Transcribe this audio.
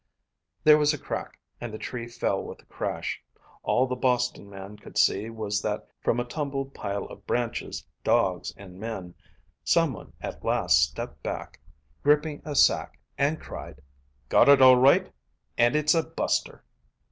There was a crack, and the tree fell with a crash. All the Boston man could see was that from a tumbled pile of branches, dogs, and men, some one at last stepped back, gripping a sack, and cried: "Got it all right, and it's a buster."